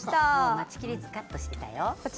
待ちきれずカットしてたよ。